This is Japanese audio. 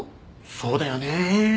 そうだよね。